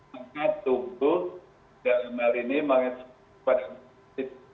maka tumbuh dan mal ini mengesipkan vaksin t